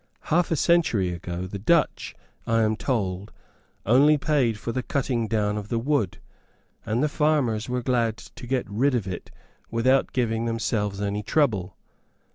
Half a century ago the Dutch, I am told, only paid for the cutting down of the wood, and the farmers were glad to get rid of it without giving themselves any trouble.